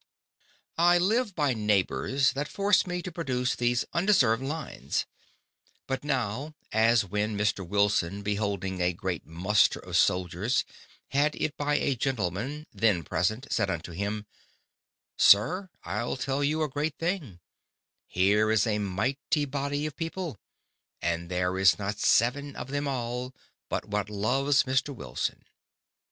I live by Neighbours that force me to produce these undeserved Lines. But now, as when Mr. Wilson beholding a great Muster of Souldiers, had it by a Gentleman then present, said unto him, _Sir, I'll tell you a great Thing: Here is a mighty Body of People; and there is not +Seven+ of them all, but what loves Mr. +Wilson+.